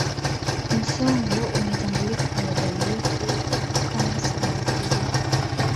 Msongo umetambulika kwa muda mrefu kama sababu kubwa